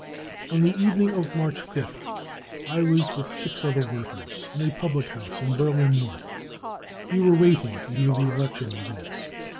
44 On the evening of March 5th I was with si^ other workers in. a public house in Berlin North ; we were waiting to hear the election results.